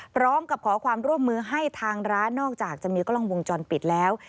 พร้อมกับขอความร่วมมือให้ทางร้านนอกจากจะมีกล้องวงจรปิดแล้ว